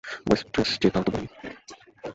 Waitress যে তাও তো বলোনি!